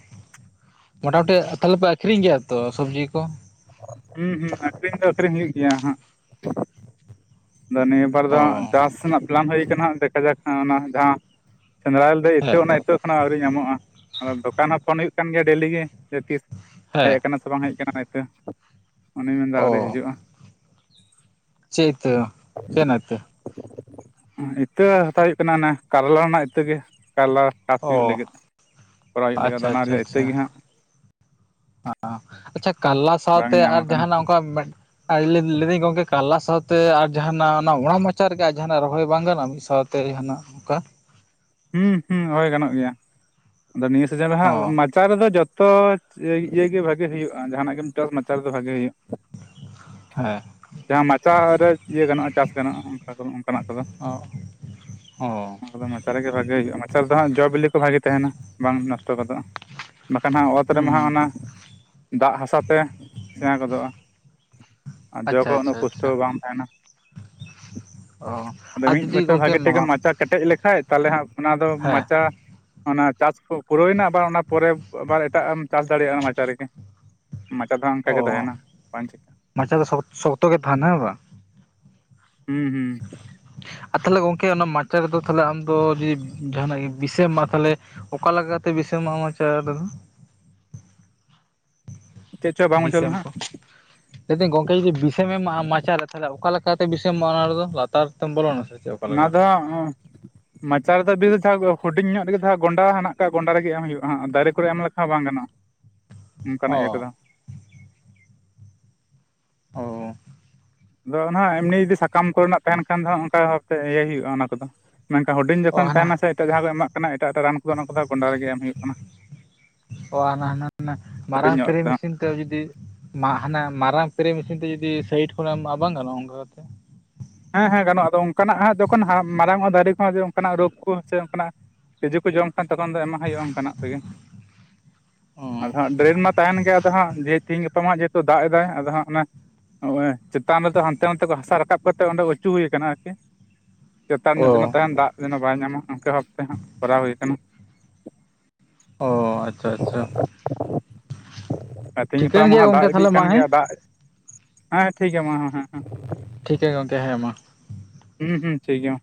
ᱢᱳᱴᱟ ᱢᱩᱴᱤ, ᱛᱟᱦᱚᱞᱮ ᱯᱮ, ᱟᱠᱷᱨᱤᱧ ᱜᱮᱭᱟ ᱛᱚ, ᱥᱚᱵᱽᱡᱤ ᱠᱚ ᱾
ᱦᱩᱸ ᱦᱩᱸ, ᱟᱠᱷᱨᱤᱧ ᱫᱚ ᱟᱠᱷᱨᱤᱧ ᱦᱩᱭᱩᱜ ᱜᱮᱭᱟ ᱦᱟᱸᱜ ᱾ ᱱᱤᱭᱟᱹ ᱵᱟᱨ ᱫᱚ
ᱚ
ᱦᱟᱸᱜ, ᱪᱟᱥ ᱨᱮᱱᱟᱜ ᱯᱟᱞᱟᱱ ᱦᱩᱭ ᱟᱠᱟᱱᱟ, ᱫᱮᱠᱷᱟ ᱡᱟᱠ ᱚᱱᱟ ᱡᱟᱦᱟᱸ, ᱥᱮᱸᱫᱽᱨᱟᱞ ᱤᱛᱟᱹ,
ᱦᱮᱸ
ᱚᱱᱟ ᱤᱛᱟᱹ ᱠᱷᱚᱱᱟᱜ, ᱟᱹᱣᱨᱤ ᱧᱟᱢᱚᱜᱼᱟ ᱾ ᱟᱫᱚ ᱫᱚᱠᱟᱱ ᱦᱚᱸ ᱯᱷᱳᱱ ᱦᱩᱭᱩᱜ ᱟᱠᱟᱱ ᱜᱮᱭᱟ ᱰᱮᱞᱤ ᱜᱮ, ᱡᱮ ᱛᱤᱥ ᱦᱮᱡ
ᱦᱮᱸ
ᱟᱠᱟᱱᱟ ᱥᱮ ᱵᱟᱝ? ᱦᱮᱡ ᱟᱠᱟᱱᱟ ᱤᱛᱟᱹ ᱾ ᱚᱱᱤ ᱢᱮᱱᱫᱟ
ᱚ
ᱟᱹᱣᱨᱤ ᱦᱤᱡᱩᱜᱼᱟ ᱾
ᱪᱮᱫ ᱤᱛᱟ? ᱹ ᱪᱮᱫ ᱨᱮᱱᱟᱜ ᱤᱛᱟᱹ?
ᱤᱛᱟᱹ ᱦᱟᱛᱟᱣ ᱦᱩᱭᱩᱜ ᱠᱟᱱᱟ ᱾ ᱚᱱᱮ ᱠᱟᱨᱞᱟ ᱨᱮᱱᱟᱜ ᱤᱛᱟᱹ ᱜᱮ ᱾ ᱠᱟᱨᱞᱟ ᱪᱟᱥ
ᱚ
ᱦᱩᱭᱩᱜ ᱞᱟᱹᱜᱤᱫ, ᱠᱚᱨᱟᱣ ᱦᱩᱭᱩᱜ ᱞᱟᱹᱜᱤᱫᱼᱟ ᱾
ᱟᱪᱪᱷᱟ
ᱚᱱᱟ
ᱟᱪᱪᱷᱟ
ᱨᱮᱭᱟᱜ ᱤᱛᱟᱹ
ᱟᱪᱪᱷᱟ
ᱜᱮ ᱦᱟᱸᱜ ᱾
[unintelligible] ᱟᱪᱪᱷᱟ, ᱠᱟᱨᱞᱟ
ᱵᱟᱝ
ᱥᱟᱶᱛᱮ
ᱧᱟᱢ
ᱟᱨ
ᱟᱠᱟᱱᱟ
ᱡᱟᱦᱟᱸ ᱱᱟᱜ ᱚᱱᱠᱟ? ᱟᱨ ᱞᱟᱹᱭ ᱮᱫᱟᱹᱧ ᱜᱚᱝᱠᱮ, ᱠᱟᱨᱞᱟ ᱥᱟᱶᱛᱮ ᱟᱨ ᱡᱟᱦᱟᱱᱟᱜ, ᱚᱱᱟ ᱚᱲᱟᱜ ᱢᱟᱪᱟ ᱨᱮᱜᱮ ᱡᱟᱦᱟᱱᱟᱜ ᱨᱚᱦᱚᱭ ᱵᱟᱝ ᱜᱟᱱᱚᱜᱼᱟ, ᱢᱤᱫ ᱥᱟᱶᱛᱮ ᱾ ᱛᱮ ᱡᱟᱦᱟᱸᱱᱟᱜ?
ᱦᱩᱸ ᱦᱩᱸ, ᱦᱳᱭ ᱜᱟᱱᱚᱜ ᱜᱮᱭᱟ ᱾ ᱟᱫᱚ ᱱᱤᱭᱟᱹ ᱥᱤᱡᱮᱱ ᱨᱮ ᱦᱟᱸᱜ ᱾
ᱚ
ᱢᱟᱪᱟ ᱨᱮᱫᱚ ᱡᱚᱛᱚ ᱤᱭᱟᱹ ᱜᱮ, ᱵᱷᱟᱜᱤ ᱦᱩᱭᱩᱜᱼᱟ ᱾ ᱡᱟᱦᱟᱱᱟᱜ ᱜᱮᱢ ᱪᱟᱥᱟ, ᱢᱟᱪᱟ ᱨᱮᱫᱚ ᱵᱷᱟᱜᱮ ᱦᱩᱭᱩᱜᱼᱟ ᱾
ᱦᱮᱸ ᱾
ᱡᱟᱦᱟᱸ ᱢᱟᱪᱟ ᱨᱮ ᱤᱭᱟᱹ ᱜᱟᱱᱚᱜᱼᱟ ᱾ᱪᱟᱥ ᱜᱟᱱᱚᱜᱼᱟ ᱚᱱᱠᱟ ᱫᱚ ᱚᱱᱠᱟᱱᱟᱜ ᱠᱚᱫᱚ ᱾
ᱦᱚᱸ ᱾
ᱟᱫᱚ ᱢᱟᱪᱟ ᱨᱮᱜᱮ ᱵᱷᱟᱜᱮ ᱦᱩᱭᱩᱜᱼᱟ ᱢᱟᱪᱟ ᱨᱮ ᱫᱚ ᱦᱟᱸᱜ, ᱡᱚᱼᱵᱤᱞᱤ ᱠᱚ ᱵᱷᱟᱜᱮ ᱛᱟᱦᱮᱱᱟ ᱾ ᱵᱟᱝ ᱱᱚᱥᱴᱚ ᱜᱚᱫᱚᱜᱼᱟ ᱾ ᱵᱟᱠᱷᱟᱱ ᱦᱟᱸᱜ, ᱚᱛ ᱨᱮᱢᱟ
ᱦᱩᱸ
ᱦᱟᱸᱜ, ᱚᱱᱟ ᱫᱟᱜ ᱦᱟᱥᱟ ᱛᱮ ᱥᱮᱬᱟ ᱜᱚᱫᱚᱜᱼᱟ ᱾ ᱟᱨ ᱡᱚ
ᱟᱪᱪᱷᱟ
ᱠᱚᱦᱚᱸ
ᱟᱪᱪᱷᱟ
ᱩᱱᱟᱹᱜ,
ᱟᱪᱪᱷᱟ
ᱯᱩᱥᱴᱚᱣ ᱵᱟᱝ ᱛᱟᱦᱮᱱᱟ?
ᱚ
ᱟᱫᱚ,
ᱟᱨ
ᱢᱤᱫ
ᱡᱩᱫᱤ
ᱵᱚᱪᱷᱚᱨ,
ᱜᱚᱝᱠᱮ
ᱵᱷᱟᱜᱤ ᱴᱷᱤᱠᱮᱢ,
ᱦᱮᱸ
ᱢᱟᱪᱟ ᱠᱮᱴᱮᱡ ᱞᱮᱠᱷᱟᱡ, ᱛᱟᱦᱚᱞᱮ ᱦᱟᱸᱜ, ᱚᱱᱟ ᱫᱚ ᱢᱟᱪᱟ ᱚᱱᱟ ᱪᱟᱥ ᱠᱚ, ᱯᱩᱨᱟᱹᱣ ᱮᱱᱟ ᱟᱵᱟᱨ ᱚᱱᱟ, ᱯᱚᱨᱮ ᱟᱵᱟᱨ ᱮᱴᱟᱜ, ᱮᱢ ᱪᱟᱥ ᱫᱟᱲᱮᱭᱟᱜᱼᱟ, ᱚᱱᱟ ᱢᱟᱪᱟ ᱨᱮᱜᱮ ᱾ ᱢᱟᱪᱟ ᱫᱚ ᱱᱷᱟᱜ, ᱚᱱᱠᱟ ᱜᱮ
ᱚ
ᱛᱟᱦᱮᱱᱟ ᱵᱟᱝ ᱪᱤᱠᱟᱼᱟ ᱾
ᱢᱟᱪᱟ ᱫᱚ, ᱥᱚᱠ-ᱥᱚᱠᱛᱚ ᱜᱮ ᱛᱟᱸᱦᱮᱱᱟ, ᱦᱮᱸ ᱵᱟᱝ?
ᱦᱩᱸ, ᱦᱩᱸ ᱾
ᱟᱨ ᱛᱟᱦᱚᱞᱮ, ᱜᱚᱝᱠᱮ ᱚᱱᱟ ᱢᱟᱪᱟ ᱨᱮᱫᱚ, ᱟᱢᱫᱚ ᱡᱩᱫᱤ ᱡᱟᱦᱟᱱᱟᱜ ᱜᱮ, ᱵᱤᱥᱤᱢ ᱮᱢᱟᱜᱼᱟ ᱛᱟᱦᱚᱞᱮ? ᱚᱠᱟ ᱞᱮᱠᱟ ᱠᱟᱛᱮ ᱵᱤᱥᱮᱢ ᱮᱢ ᱚᱪᱚ ᱮ, ᱟᱫᱚ ᱦᱳ?
ᱪᱮᱫ ᱪᱚ ᱵᱟᱝ ᱵᱩᱡᱷᱟᱹᱣ
ᱵᱤᱥᱼᱮᱢ
ᱞᱮᱱᱟ ᱦᱟᱸᱜ
ᱠᱚ ᱾ ᱜᱚᱝᱠᱮ ᱡᱩᱫᱤ ᱵᱤᱥᱮᱢ ᱮᱢᱟ, ᱟᱢ ᱢᱟᱪᱟ ᱨᱮ ᱛᱟᱦᱚᱞᱮ, ᱚᱠᱟ ᱞᱮᱠᱟᱛᱮ? ᱵᱤᱥᱮᱢ ᱮᱢᱟ, ᱚᱱᱟ ᱨᱮᱫᱚ ᱞᱟᱛᱟᱨ ᱛᱮᱢ, ᱵᱚᱞᱚᱱᱟ ᱥᱮ, ᱾?
ᱚᱱᱟ ᱫᱚ, ᱾
[inaudible]
ᱢᱟᱪᱟ ᱨᱮᱫᱚ [inaudible] ᱦᱩᱰᱤᱧ ᱧᱚᱜ ᱨᱮᱜᱮ, ᱡᱟᱸᱦᱟ ᱜᱚᱸᱰᱟ ᱢᱮᱱᱟᱜ-ᱟ᱾᱾ ᱜᱚᱸᱰᱟ ᱨᱮᱜᱮ ᱮᱢ, ᱦᱩᱭᱩᱜ-ᱟᱱᱟᱜ ᱫᱟᱨᱮ ᱠᱚᱨᱮ ᱮᱢ ᱞᱮᱠᱷᱟᱱ ᱦᱚ, ᱸ ᱵᱟᱝ ᱜᱟᱱᱚᱜ-ᱟ᱾
[inaudible]
ᱚᱱᱠᱟ ᱱᱟᱜ ᱤᱭᱟᱹ ᱠᱟᱫᱚ, ᱾
ᱚᱻ ᱾
ᱟᱫᱚ ᱦᱟᱸᱜ ᱮᱢᱱᱤ ᱡᱩᱫᱤ, ᱥᱟᱠᱟᱢ ᱠᱚᱨᱮᱱᱟᱜ ᱛᱟᱸᱦᱮᱱ ᱠᱷᱟᱱ ᱫᱚ, ᱚᱱᱠᱟ ᱵᱷᱟᱵᱛᱮ ᱤᱭᱟᱹᱭ ᱦᱩᱭᱩᱜ-ᱟ, ᱚᱱᱟ ᱠᱚᱫᱚ ᱾ ᱢᱮᱱᱠᱷᱟᱱ, ᱦᱩᱰᱤᱧ
ᱚ
ᱡᱚᱠᱷᱚᱱ
ᱦᱟᱱᱟ
ᱛᱟᱸᱦᱮᱱᱟ ᱥᱮ, ᱮᱴᱟᱜ ᱡᱟᱸᱦᱟ ᱠᱚ ᱮᱢᱟᱜ ᱠᱟᱱᱟ, ᱮᱴᱟᱜ ᱮᱴᱟᱜ ᱨᱟᱱ ᱠᱚ ᱾ ᱚᱱᱟ ᱠᱚᱫᱚ, ᱜᱚᱸᱰᱟ ᱨᱮᱜᱮ ᱮᱢ ᱦᱩᱭᱩᱜ ᱠᱟᱱᱟ,
ᱚ ᱦᱟᱱᱟ ᱦᱟᱱᱟ
ᱦᱩᱰᱤᱧ
ᱢᱟᱨᱟᱝ
ᱧᱚᱜ
ᱯᱮᱨᱮ
ᱨᱮᱫᱚ ᱱᱷᱟᱸᱜ ᱾,
ᱢᱮᱥᱤᱱ ᱡᱩᱫᱤ ᱦᱟᱱᱟ ᱢᱟᱨᱟᱝ ᱥᱯᱮᱨᱮ ᱢᱮᱥᱤᱱ ᱛᱮ ᱡᱩᱫᱤ ᱥᱟᱭᱤᱰ ᱠᱷᱚᱱᱟᱜ ᱮᱢᱟᱜ-ᱟ ᱾ ᱵᱟᱝ ᱜᱟᱱᱚᱜ-ᱟ? ᱚᱱᱠᱟ ᱠᱟᱛᱮ ᱾
ᱦᱮᱸ ᱦᱮᱸ, ᱜᱟᱱᱚᱜ-ᱟ ᱾ ᱟᱫᱚ ᱚᱱᱠᱟᱱᱟᱜ ᱦᱟᱸᱜ ᱡᱚᱠᱷᱚᱱ ᱢᱟᱨᱟᱝᱚᱼᱟ ᱫᱟᱨᱮ ᱠᱚᱦᱚ, ᱸ ᱚᱱᱠᱟᱱᱟᱜ ᱨᱳᱜᱽ ᱠᱚ ᱥᱮ ᱚᱱᱠᱟᱱᱟᱜ, ᱾ ᱛᱤᱡᱩ ᱠᱚ ᱡᱚᱢ ᱠᱷᱟᱱ, ᱛᱚᱠᱷᱚᱱ ᱫᱚ ᱮᱢᱟ ᱦᱟᱜ ᱦᱩᱭᱩᱜ-ᱟ, ᱾ ᱚᱱᱠᱟᱱᱟᱜ ᱛᱮᱜᱮ, ᱟᱫᱚ ᱦᱟᱸᱜ ᱰᱨᱮᱱ ᱢᱟ ᱛᱟᱸᱦᱮᱱ ᱜᱮᱭᱟ, ᱟᱫᱚ ᱦᱟᱸᱜ, ᱛᱤᱦᱤᱧ ᱜᱟᱯᱟ ᱢᱟ ᱡᱮ ᱦᱮᱛᱩ ᱫᱟᱜ ᱮᱫᱟᱭ ᱟᱫᱚ ᱦᱟᱸᱜ, ᱱᱚᱜ-ᱚᱭ ᱪᱮᱛᱟᱱ ᱨᱮᱫᱚ, ᱦᱟᱱᱛᱮ ᱱᱟᱛᱮ ᱠᱷᱚᱱ ᱦᱟᱥᱟ ᱨᱟᱠᱟᱵ ᱠᱟᱛᱮ ᱚᱸᱰᱮ ᱚᱪᱚ ᱦᱩᱭ ᱟᱠᱟᱱ, ᱟᱨᱠᱤ ᱪᱮᱛᱟᱱ
ᱚ
ᱧᱚᱜ,
ᱚ
ᱡᱮᱱᱚ ᱛᱟᱸᱦᱮᱱ ᱫᱟᱜ, ᱾ ᱡᱮᱱᱚ ᱵᱟᱭ ᱧᱟᱢᱟ, ᱚᱱᱠᱟ ᱵᱷᱟᱵᱛᱮ ᱦᱟᱸᱜ, ᱠᱚᱨᱟᱣ ᱦᱩᱭ ᱟᱠᱟᱱᱟ᱾ ᱾
ᱚᱻ ᱟᱪᱪᱷᱟ, ᱟᱪᱪᱷᱟ ᱾
ᱛᱮᱦᱮᱧ ᱜᱟᱯᱟ
ᱴᱷᱤᱠᱟᱹᱱ
ᱢᱟ
ᱜᱮᱭᱟ
ᱦᱟᱸᱜ,
ᱜᱚᱢᱠᱮ
ᱫᱟᱜ ᱤᱫᱤᱜ
ᱛᱟᱦᱚᱞᱮ ᱢᱟ
ᱠᱟᱱ
ᱦᱮᱸ
ᱜᱮᱭᱟ ᱫᱟᱜ, ᱦᱮᱸ ᱴᱷᱤᱠ ᱜᱮᱭᱟ ᱢᱟ ᱦᱮᱸ ᱦᱮᱸ ᱦᱮᱸ᱾
ᱴᱷᱤᱠ ᱜᱮᱭᱟ ᱜᱚᱝᱠᱮ ᱦᱮᱸ ᱢᱟ,
ᱦᱩᱸ ᱦᱩᱸ ᱴᱷᱤᱠ ᱜᱮᱭᱟ,